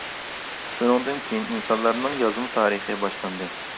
شۇنىڭدىن كېيىن ئىنسانلارنىڭ يازما تارىخى باشلاندى.